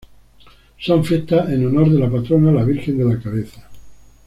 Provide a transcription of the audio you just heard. Son fiestas en honor de la patrona la Virgen de la Cabeza.